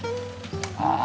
ああ。